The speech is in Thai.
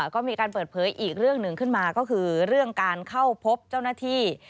ก็มีการเปิดเผยอีกเรื่องหนึ่งขึ้นมาก็คือเรื่องการเข้าพบเจ้าหน้าที่